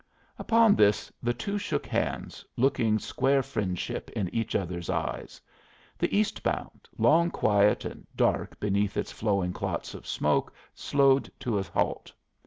Upon this the two shook hands, looking square friendship in each other's eyes. The east bound, long quiet and dark beneath its flowing clots of smoke, slowed to a halt.